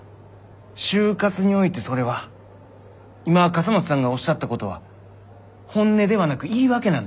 就活においてそれは今笠松さんがおっしゃったことは本音ではなく言い訳なんです。